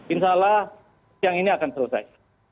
insya allah siang ini akan selesai